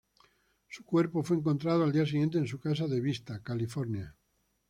Su cuerpo fue encontrado al día siguiente en su casa de Vista, California.